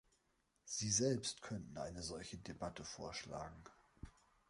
Sie selbst könnten eine solche Debatte vorschlagen.